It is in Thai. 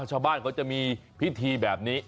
ชาวบ้านเขาจะมีพิธีแบบนี้